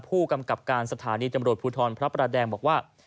ผู้กำกับการสถานีตำรวจภูทรพระประแดงบอกว่า